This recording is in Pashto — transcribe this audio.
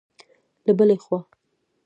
له بلې خوا